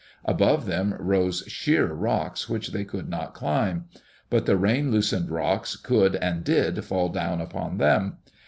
Above them rose sheer rocks which they could not climb. But the rain loosened rocks could and did fall down upon them.